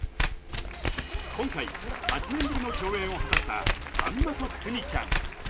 今回８年ぶりの共演を果たしたさんまと邦ちゃん